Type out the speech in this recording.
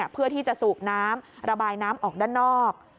เพื่อที่จะสูบน้ำระบายน้ำออกด้านนอก